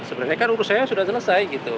sebenarnya kan urusannya sudah selesai gitu